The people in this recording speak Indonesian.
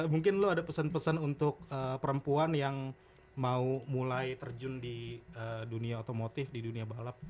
mungkin lo ada pesan pesan untuk perempuan yang mau mulai terjun di dunia otomotif di dunia balap